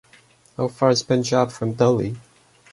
How far is Punjab from Delhi?